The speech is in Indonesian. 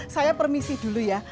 saya permisi dulu ya